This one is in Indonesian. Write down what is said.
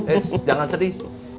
eh jangan sedih